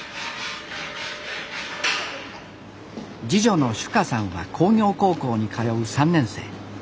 次女の珠夏さんは工業高校に通う３年生。